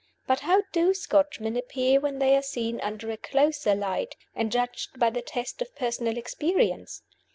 But how do Scotchmen appear when they are seen under a closer light, and judged by the test of personal experience?